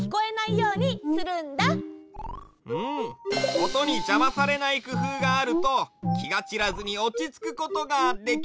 おとにじゃまされないくふうがあるときがちらずにおちつくことができるよね。